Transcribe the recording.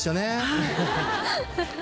はい。